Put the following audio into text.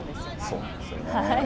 そうなんですね。